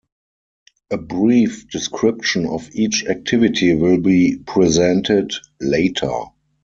A brief description of each activity will be presented later.